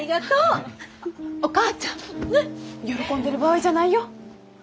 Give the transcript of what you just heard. お母ちゃん喜んでる場合じゃないよ。